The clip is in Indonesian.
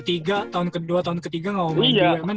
tahun ke dua tahun ke tiga gak mau wmn